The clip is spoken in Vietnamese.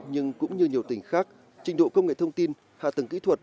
nhưng cũng như nhiều tỉnh khác trình độ công nghệ thông tin hạ tầng kỹ thuật